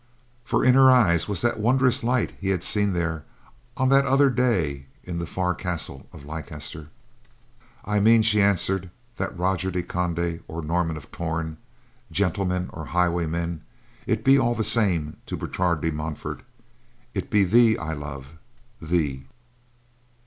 For in her eyes was that wondrous light he had seen there on that other day in the far castle of Leicester. "I mean," she answered, "that, Roger de Conde or Norman of Torn, gentleman or highwayman, it be all the same to Bertrade de Montfort—it be thee I love; thee!"